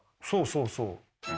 そうそうそう。